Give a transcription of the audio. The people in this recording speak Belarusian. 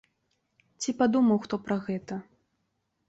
Ці падумаў хто пра гэта?